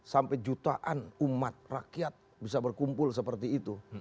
sampai jutaan umat rakyat bisa berkumpul seperti itu